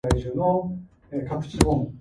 Her curiosity seemed, at length, satisfied.